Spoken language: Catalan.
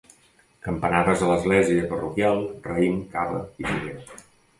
Campanades a l'església parroquial, raïm cava i foguera.